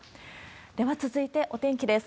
では続いてお天気です。